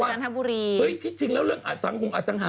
กับพี่เอ็นนะค้า